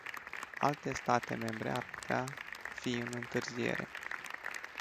Alte state membre ar putea fi în întârziere.